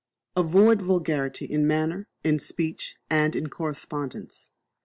Avoid vulgarity in manner, in speech, and in correspondence.